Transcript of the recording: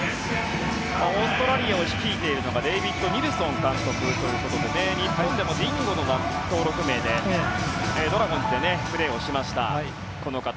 オーストラリアを率いているのがニルソン監督ということで日本でもディンゴの登録名でドラゴンズでプレーをしました。